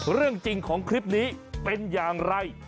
เรื่องจริงของคลิปนี้เป็นอย่างไร